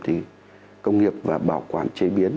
thì công nghiệp và bảo quản chế biến